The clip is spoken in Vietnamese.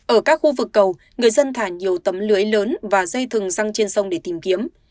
ở các khu vực cầu người dân thả nhiều tấm lưới lớn và dây thừng răng trên sông để tìm kiếm